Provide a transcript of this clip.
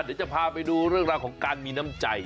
เดี๋ยวจะพาไปดูเรื่องราวของการมีน้ำใจ